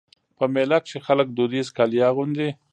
په مېله کښي خلک دودیز کالي اغوندي.